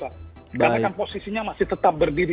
karena kan posisinya masih tetap berdiri